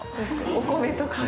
お米とかね